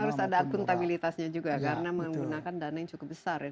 harus ada akuntabilitasnya juga karena menggunakan dana yang cukup besar ya